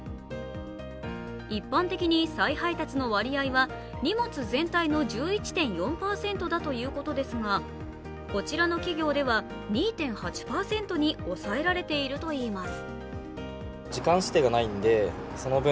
一般的に再配達の割合は荷物全体の１１．４％だということですがこちらの企業では２．８％に抑えられているといいます。